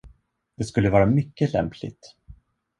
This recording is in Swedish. Det skulle vara mycket lämpligt.